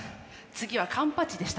次はカンパチでしたね。